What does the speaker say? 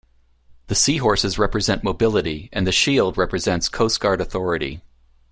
The seahorses represent mobility and the shield represents Coast Guard authority.